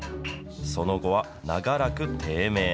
その後は長らく低迷。